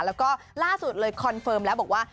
แล้วก็ล่าสุดเลยคอนเฟิร์มแล้วบอกว่า